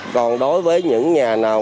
còn đối với những nhà nào